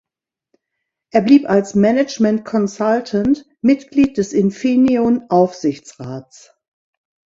Er blieb als „Management Consultant“ Mitglied des Infineon-Aufsichtsrats.